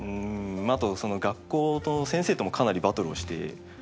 あと学校の先生ともかなりバトルをして。